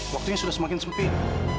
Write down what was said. waktunya sudah semakin sempit